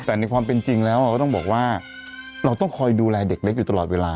แต่ในความเป็นจริงแล้วก็ต้องบอกว่าเราต้องคอยดูแลเด็กเล็กอยู่ตลอดเวลา